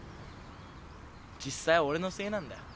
実際俺のせいなんだよ。